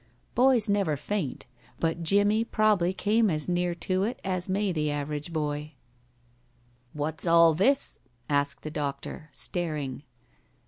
Boys never faint, but Jimmie probably came as near to it as may the average boy. "What's all this?" asked the doctor, staring.